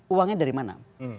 uangnya dari mana